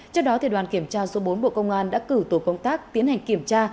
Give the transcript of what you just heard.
trước đó đoàn kiểm tra số bốn bộ công an đã cử tổ công tác tiến hành kiểm tra